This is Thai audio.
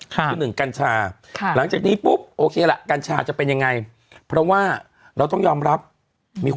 คือหนึ่งกัญชาหลังจากนี้ปุ๊บโอเคล่ะกัญชาจะเป็นยังไง